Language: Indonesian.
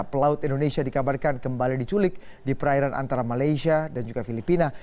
pelaut indonesia dikabarkan kembali diculik di perairan antara malaysia dan juga filipina